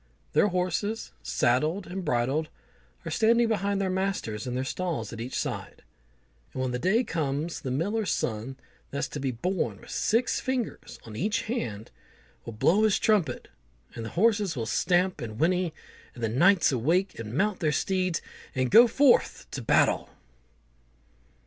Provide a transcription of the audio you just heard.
Their horses, saddled and bridled, are standing behind their masters in their stalls at each side; and when the day comes, the miller's son that's to be born with six fingers on each hand, will blow his trumpet, and the horses will stamp and whinny, and the knights awake and mount their steeds, and go forth to battle.